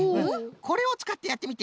これをつかってやってみて。